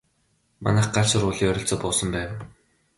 Манайх Галшар уулын ойролцоо буусан байв.